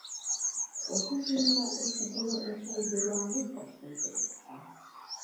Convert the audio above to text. Okuzimba ekidiba ekiwugirwamu kwa ssente mmeka?